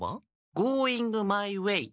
「ゴーイングマイウェイ」。